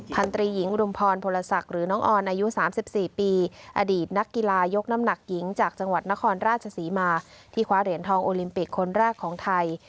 พันตรีหญิงอุดมพรพลศักดิ์หรือน้องออนอายุ๓๔ปีอดีตนักกีฬายกน้ำหนักหญิงจากจังหวัดนครราชศรีมาที่คว้าเหรียญทองโอลิมปิกคนแรกของไทย